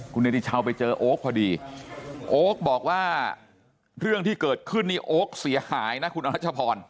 คุณเนติชาวไปเจอโอ๊คพอดีโอ๊คบอกว่าเรื่องที่เกิดขึ้นนี่โอ๊คเสียหายนะคุณอรัชพร